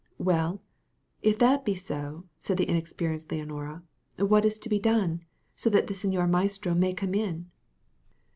"Well, if that be so," said the inexperienced Leonora, "what is to be done, so that the señor maestro may come in?"